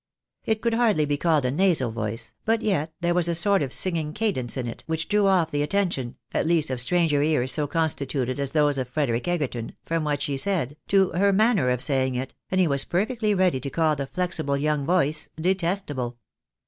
It could hardly be called a nasal voice, but yet there was a sort of singing cadence in it, which drew off the attention (at least of stranger ears so constituted as those of Frederic Egerton) from what she said, to her manner of saying it, and he was perfectly ready to call the flexible young voice detestable.